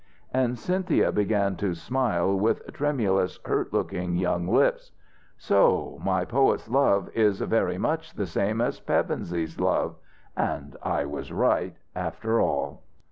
And Cynthia began to smile, with tremulous hurt looking young lips. "So my poet's love is very much the same as Pevensey's love! And I was right, after all."